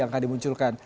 yang akan dimunculkan